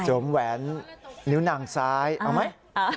แหวนนิ้วนางซ้ายเอาไหม